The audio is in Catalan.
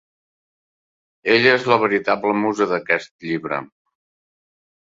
Ella és la veritable musa d'aquest llibre.